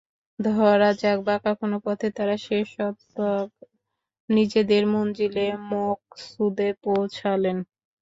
ধরা যাক, বাঁকা কোনো পথে তাঁরা শেষতক নিজেদের মঞ্জিলে মকসুদে পৌঁছালেন।